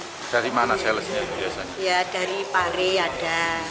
kue plemen ini sendiri biasanya dengan mudah ditemukan di pasar tradisional